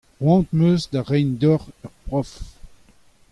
C'hoant am eus da reiñ deoc'h ur prof.